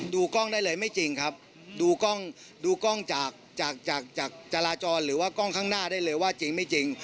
กล้องได้เลยไม่จริงครับดูกล้องดูกล้องจากจากจราจรหรือว่ากล้องข้างหน้าได้เลยว่าจริงไม่จริง